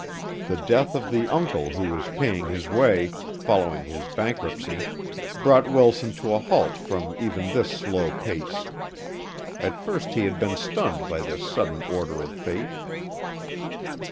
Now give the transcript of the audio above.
The death of the uncle who was paying his way, following his bankruptcy, brought Wilson to a halt from even this slow pace. At first he had been stunned by this sudden order of Fate.